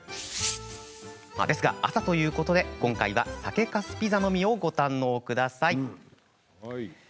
ですが、朝ということで今回は酒かすピザのみをご堪能ください。